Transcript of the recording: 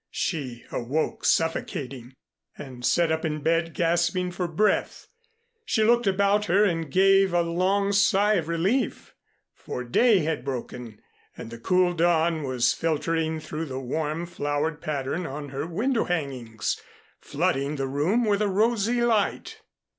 She awoke suffocating, and sat up in bed, gasping for breath. She looked about her and gave a long sigh of relief, for day had broken and the cool dawn was filtering through the warm flowered pattern on her window hangings, flooding the room with a rosy light.